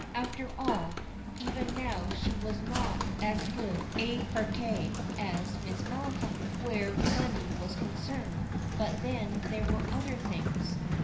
After all, even now she was not as good a parti as Miss Maliphant, where money was concerned, but then there were other things.